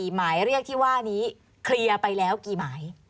หมายเรียกที่ว่านี้เคลียร์ไปแล้วกี่หมาย